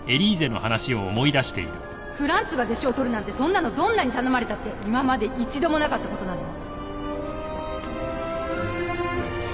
フランツが弟子を取るなんてそんなのどんなに頼まれたって今まで一度もなかったことなのよ！